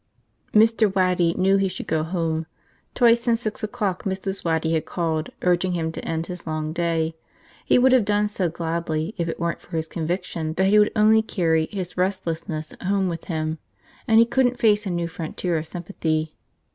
Mr. Waddy knew he should go home. Twice since six o'clock Mrs. Waddy had called, urging him to end his long day. He would have done so gladly if it weren't for his conviction that he would only carry his restlessness home with him, and he couldn't face a new frontier of sympathy.